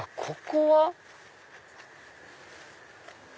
ここは？